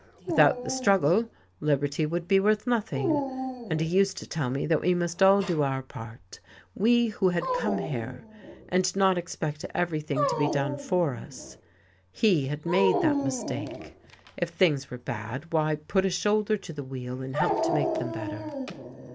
Without the struggle, liberty would be worth nothing. And he used to tell me that we must all do our part, we who had come here, and not expect everything to be done for us. He had made that mistake. If things were bad, why, put a shoulder to the wheel and help to make them better.